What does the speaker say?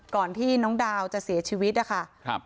ก่อนที่น้องดาวจะเสียชีวิตนะคะ